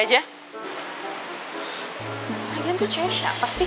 lagian tuh ceweknya siapa sih